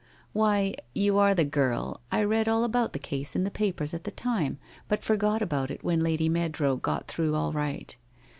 Why, you are the girl— I read all about the case in the papers at the time, but forgot about it when dear Lady Meadrow got through all right!